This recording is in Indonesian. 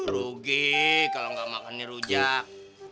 rugi kalau gak makan nih rujak